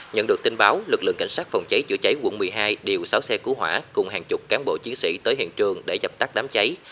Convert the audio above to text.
nhận được tin báo lực lượng cảnh sát phòng cháy chữa cháy quận một mươi hai điều sáu xe cứu hỏa cùng hàng chục cán bộ chiến sĩ tới hiện trường để dập tắt đám cháy